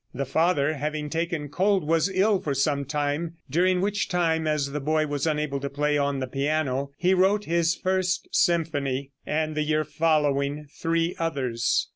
The father having taken cold, was ill for some time, during which time, as the boy was unable to play on the piano, he wrote his first symphony, and the year following three others.